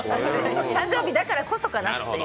誕生日だからこそかなという。